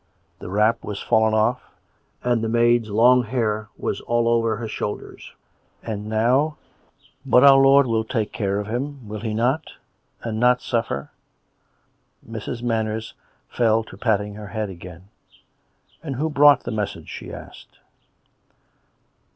(The wrap was fallen off, and the maid's long hair was all over her shoulders.) " And now "" But our Lord will take care of him, will He not.'' And not suffer " Mrs. Manners fell to patting her head again. " And who brought the message ?" she asked.